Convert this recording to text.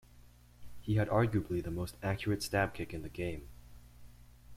He had arguably the most accurate stab kick in the game.